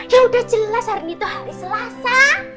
yaudah jelas hari ini tuh hari selasa